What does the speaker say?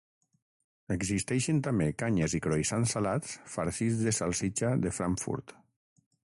Existeixen també canyes i croissants salats farcits de salsitxa de Frankfurt.